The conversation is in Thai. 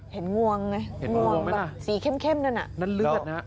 เห็นงวงไงงวงแบบสีเข้มนั่นอะ